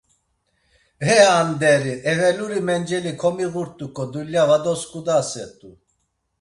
E anderi, eveluri menceli komiğurt̆uǩo dulya va doskudaset̆u.